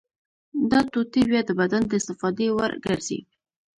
دا ټوټې بیا د بدن د استفادې وړ ګرځي.